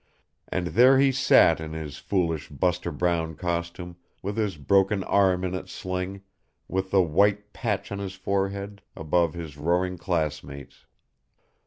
And there he sat in his foolish Buster Brown costume, with his broken arm in its sling, with the white patch on his forehead, above his roaring classmates.